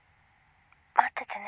待っててね。